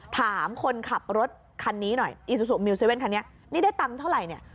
ถามคนขับรถคันนี้หน่อยอีซูซูมิวเซเว่นคันนี้นี่ได้ตังค์เท่าไหร่เนี่ย